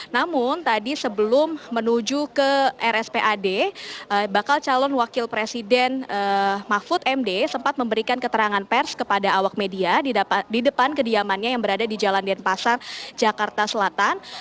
namun tadi sebelum menuju ke rspad bakal calon wakil presiden mahfud md sempat memberikan keterangan pers kepada awak media di depan kediamannya yang berada di jalan denpasar jakarta selatan